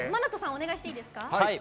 お願いしていいですか。